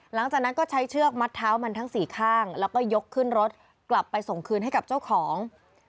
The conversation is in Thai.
หลังจากนั้นก็ใช้เชือกมัดเท้ามันทั้งสี่ข้างแล้วก็ยกขึ้นรถกลับไปส่งคืนให้กับเจ้าของ